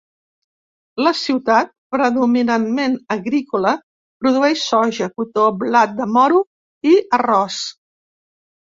La ciutat, predominantment agrícola, produeix soja, cotó, blat de moro i arròs.